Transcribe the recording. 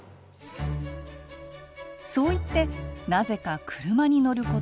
そう言ってなぜか車に乗ること